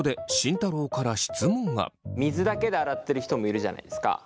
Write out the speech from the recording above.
水だけで洗ってる人もいるじゃないですか。